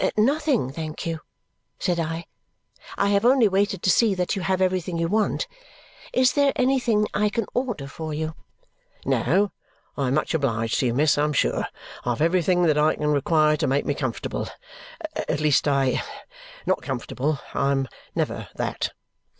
"Nothing, thank you," said I. "I have only waited to see that you have everything you want. Is there anything I can order for you?" "No, I am much obliged to you, miss, I'm sure. I've everything that I can require to make me comfortable at least I not comfortable I'm never that."